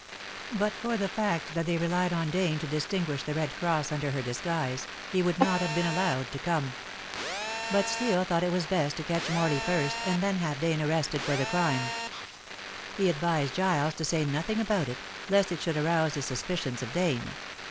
But for the fact that they relied on Dane to distinguish The Red Cross under her disguise, he would not have been allowed to come. But Steel thought it was best to catch Morley first and then have Dane arrested for the crime. He advised Giles to say nothing about it, lest it should arouse the suspicions of Dane.